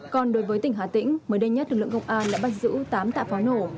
còn đối với tỉnh hà tĩnh mới đây nhất lực lượng công an đã bắt giữ tám tạ pháo nổ